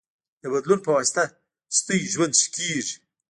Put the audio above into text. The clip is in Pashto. د بدلون پواسطه ستاسو ژوند ښه کېږي.